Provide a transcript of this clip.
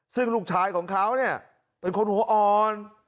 ซึ่งลูกชายของเขาเนี่ยเป็นคนหัวอ่อน